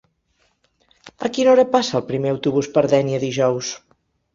A quina hora passa el primer autobús per Dénia dijous?